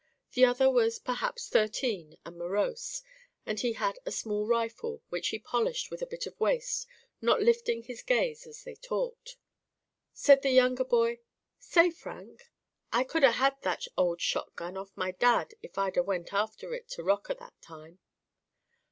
The other was perhaps thirteen and morose and he had a small rifle which he polished with a bit of waste, not lifting his gaze as they talked. Said the younger boy: 'Say Frank, I could 'a' had that old shot gun off my dad if I'd 'a' went after it to Rocker that time.